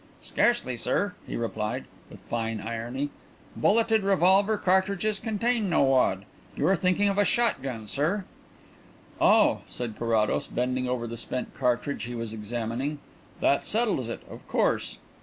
"Scarcely, sir," he replied, with fine irony. "Bulleted revolver cartridges contain no wad. You are thinking of a shot gun, sir." "Oh," said Carrados, bending over the spent cartridge he was examining, "that settles it, of course."